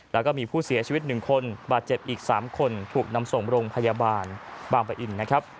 แล้วก็มีผู้เสียชีวิต๑คนบาดเจ็บอีก๓คนถูกนำส่งโรงพยาบาลบางปะอินนะครับ